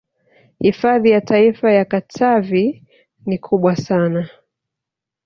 Hifadhi ya Taifa ya Katavi ni kubwa sana